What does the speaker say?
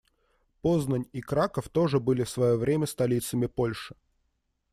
Познань и Краков тоже были в своё время столицами Польши.